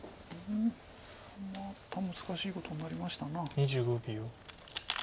また難しいことになりました。